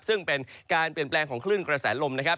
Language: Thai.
ซึ่งเป็นการเปลี่ยนแปลงของคลื่นกระแสลมนะครับ